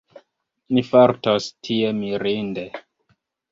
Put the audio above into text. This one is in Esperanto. Ni fartos tie mirinde.